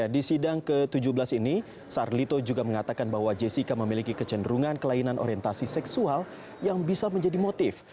di sidang ke tujuh belas ini sarlito juga mengatakan bahwa jessica memiliki kecenderungan kelainan orientasi seksual yang bisa menjadi motif